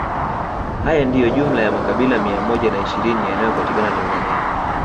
Haya ndiyo jumla ya makabila mia moja na ishirini yanayopatikana Tanzania